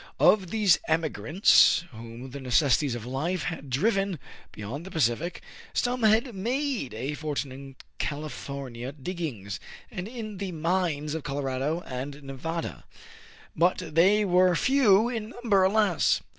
Of these emigrants whom the necessities of life had driven beyond the Pacific, some had made a for tune in California diggings, and in the mines of Colorado and Nevada ; but they were few in num ber, alas